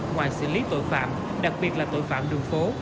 ngoài xử lý tội phạm đặc biệt là tội phạm đường phố